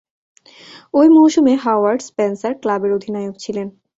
ঐ মৌসুমে Howard Spencer ক্লাবের অধিনায়ক ছিলেন।